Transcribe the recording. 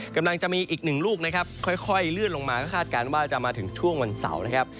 กำลังจะมีอีกหนึ่งลูกนะครับค่อยเลื่อนลงมาก็คาดการณ์ว่าจะมาถึงช่วงวันเสาร์นะครับ